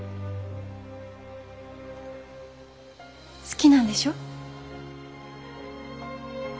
好きなんでしょ？